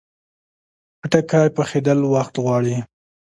خټکی پخېدل وخت غواړي.